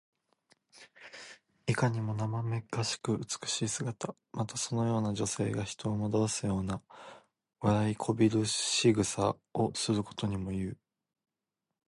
いかにもなまめかしく美しい姿。また、そのような女性が人を惑わすような、笑いこびるしぐさをすることにもいう。